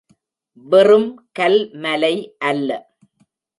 வெறும் கல் மலை அல்ல.